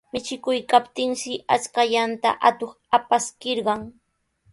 Michikuykaptinshi ashkallanta atuq apaskirqan.